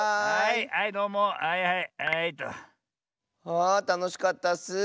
あたのしかったッス。